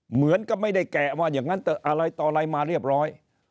เหมือนก็ไม่ได้แกะว่าอย่างนั้นเถอะอะไรต่ออะไรมาเรียบร้อย